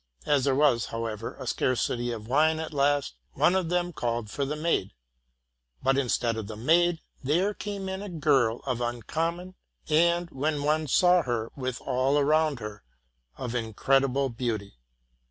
As there was, however, a scarcity of wine at last, one of them ealled for the maid; but, instead of the maid. there came in a girl of uncommon, and, when one saw her with all around her, of incredible, beauty.